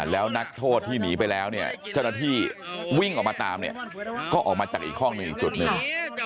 แล้วนักโทษที่หนีไปแล้วเนี่ยเจ้าหน้าที่วิ่งออกมาตามเนี่ยก็ออกมาจากอีกห้องหนึ่งอีกจุดหนึ่ง